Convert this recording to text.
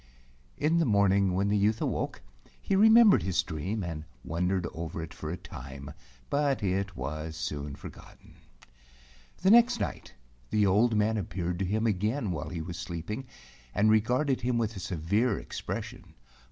In the morning, when the youth awoke, he remembered his dream and wondered over it for a time, but it was soon forgotten. 180 A TRANSYLVANIAN GIPSY TALE 1 The next night the old man appeared to him again while he was sleeping and regarded him with a severe expression.